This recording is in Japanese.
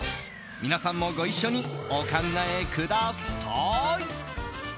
皆さんもご一緒にお考えください。